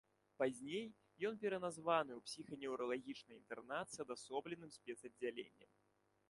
Пазней ён пераназваны ў псіханеўралагічны інтэрнат з адасобленым спецаддзяленнем.